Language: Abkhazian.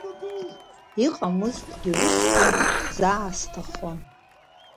Иҟамызҭгьы усҟан, заа сҭахон.